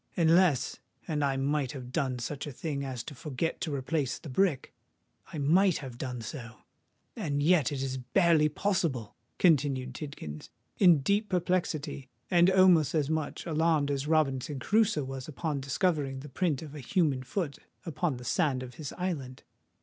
Unless—and I might have done such a thing as to forget to replace the brick,—I might have done so;—and yet it is barely possible!" continued Tidkins, in deep perplexity, and almost as much alarmed as Robinson Crusoe was upon discovering the print of the human foot upon the sand of his island.